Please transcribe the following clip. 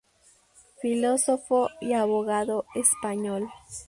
Filósofo y abogado español.